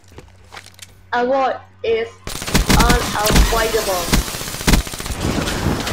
A war is unavoidable.